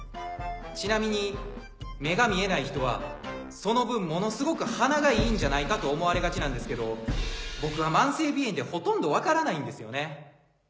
ちなみに目が見えない人はその分ものすごく鼻がいいんじゃないかと思われがちなんですけど僕は慢性鼻炎でほとんど分からないんですよね。